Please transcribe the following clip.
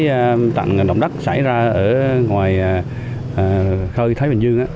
cái tạnh động đất xảy ra ở ngoài khơi thái bình dương